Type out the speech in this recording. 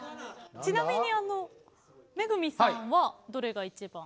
ちなみにあの恵さんはどれが一番？